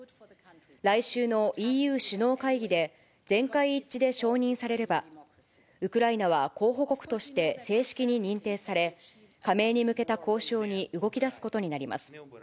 来週のＥＵ首脳会議で、全会一致で承認されれば、ウクライナは候補国として正式に認定され、加盟に向けた交渉に動きだすことになります。